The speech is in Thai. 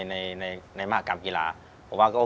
ที่ผ่านมาที่มันถูกบอกว่าเป็นกีฬาพื้นบ้านเนี่ย